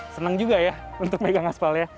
seneng juga ya untuk pegang aspalnya